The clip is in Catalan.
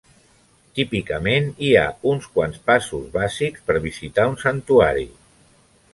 Típicament hi ha uns quants passos bàsics per visitar un santuari.